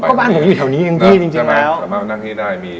เพราะบ้านผมอยู่แถวนี้อังกฤษจริงแล้ว